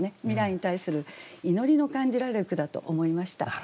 未来に対する祈りの感じられる句だと思いました。